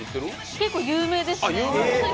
結構有名ですね。